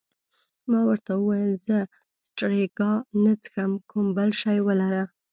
ما ورته وویل: زه سټریګا نه څښم، کوم بل شی ولره.